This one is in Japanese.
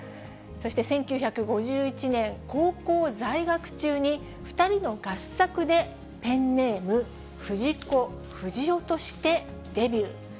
そして１９５１年、高校在学中に２人の合作で、ペンネーム、藤子不二雄としてデビュー。